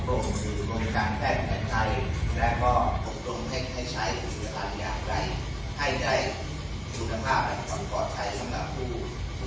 หรือโรงพยาบาลแทนแห่งไทยและก็ต้องให้ใช้อันยังใดให้ใดสุทธิภาพและความปลอดภัยสำหรับผู้